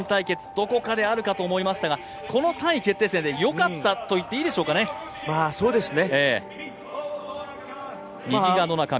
どこかであるかと思いましたがこの３位決定戦で良かったと言っていいでしょうかね。